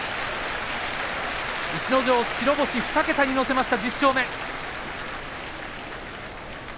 逸ノ城、白星を２桁に乗せました１０勝目。